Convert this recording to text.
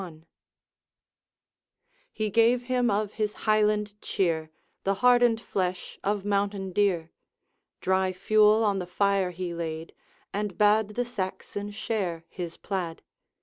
XXXI.. He gave him of his Highland cheer, The hardened flesh of mountain deer; Dry fuel on the fire he laid, And bade the Saxon share his plaid.